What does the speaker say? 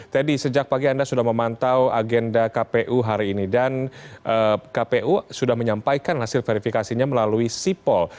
teddy sejak pagi anda sudah memantau agenda kpu hari ini dan kpu sudah menyampaikan hasil verifikasinya melalui sipol